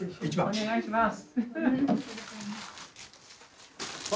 ・お願いします。